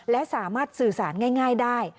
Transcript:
และสามารถสื่อสารง่ายได้